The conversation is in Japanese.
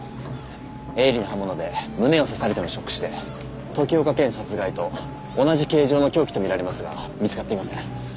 鋭利な刃物で胸を刺されてのショック死で時岡賢殺害と同じ形状の凶器と見られますが見つかっていません。